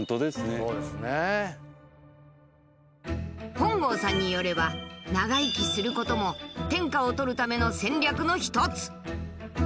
本郷さんによれば長生きすることも天下をとるための戦略の一つ。